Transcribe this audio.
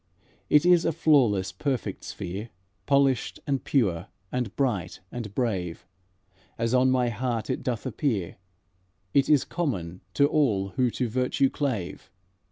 It is a flawless, perfect sphere, Polished and pure, and bright and brave; As on my heart it doth appear, It is common to all who to virtue clave.